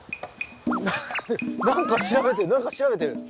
な何か調べてる何か調べてる。